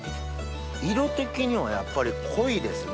色的にはやっぱり濃いですね。